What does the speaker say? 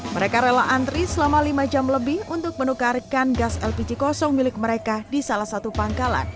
mereka rela antri selama lima jam lebih untuk menukarkan gas lpg kosong milik mereka di salah satu pangkalan